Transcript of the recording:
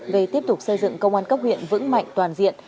về tiếp tục xây dựng công an cấp huyện vững mạnh toàn diện